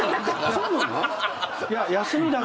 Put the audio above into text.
そうなの？